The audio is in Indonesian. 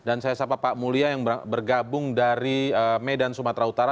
dan saya sapa pak mulia yang bergabung dari medan sumatera utara